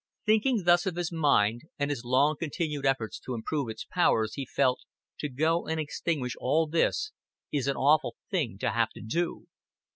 Thinking thus of his mind, and his long continued efforts to improve its powers, he felt: "To go and extinguish all this is an awful thing to have to do."